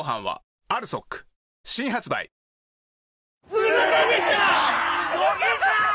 すいませんでした！